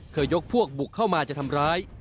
ยกพวกบุกเข้ามาจะทำร้าย